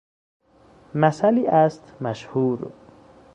مثلی است مشهور...